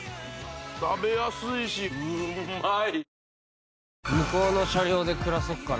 食べやすいしうまい！